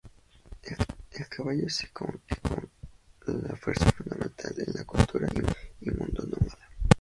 El caballo se erige como la pieza fundamental en la cultura y mundo nómada.